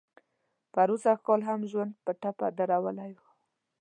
پروسږ کال هم ژوند په ټپه درولی و.